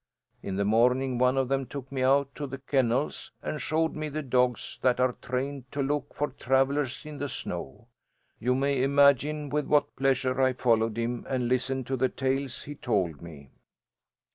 In the morning one of them took me out to the kennels, and showed me the dogs that are trained to look for travellers in the snow. You may imagine with what pleasure I followed him, and listened to the tales he told me.